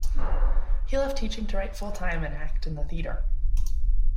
He left teaching to write full-time and act in the theatre.